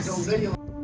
ya sudah kita ke polisi